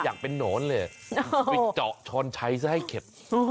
อยากเป็นหน่อยแล้ว